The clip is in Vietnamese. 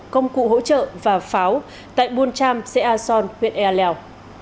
công cụ hỗ trợ và pháo tại buôn tram xe a son huyện e leo